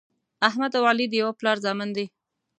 احمد او علي د یوه پلار زامن دي.